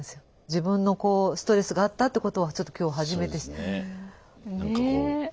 自分のストレスがあったということをちょっと今日初めて知った。